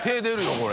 これ。